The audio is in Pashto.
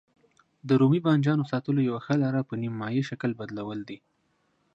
د رومي بانجانو ساتلو یوه ښه لاره په نیم مایع شکل بدلول دي.